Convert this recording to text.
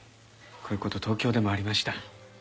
こういう事東京でもありました。